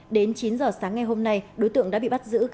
đến chín giờ sáng ngày hôm nay đối tượng đã bị bắt giữ